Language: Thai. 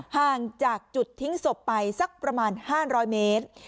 ห่างจากจุดทิ้งศพไปสักประมาณ๕๐๐เมตร